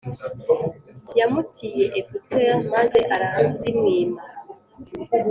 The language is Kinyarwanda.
yamutiye ecouter maze arazimwima